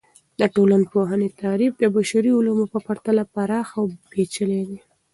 د ټولنپوهنې تعریف د بشري علومو په پرتله پراخه او پیچلي دی.